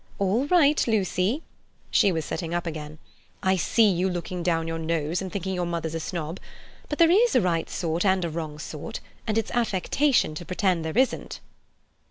All right, Lucy"—she was sitting up again—"I see you looking down your nose and thinking your mother's a snob. But there is a right sort and a wrong sort, and it's affectation to pretend there isn't."